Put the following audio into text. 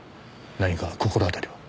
何か心当たりは？